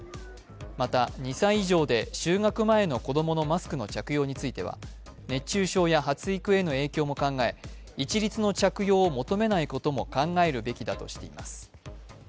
また２歳以上で就学前の子供のマスクの着用については熱中症や発育への影響も考え、一律の着用を求めないことも考えるべきだとしています。